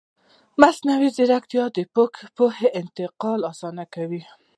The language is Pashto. مصنوعي ځیرکتیا د پوهې انتقال اسانه کوي.